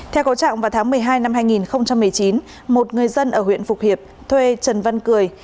theo cầu trạng vào tháng một mươi hai năm hai nghìn một mươi chín một người dân ở huyện phục hiệp thuê trần văn cười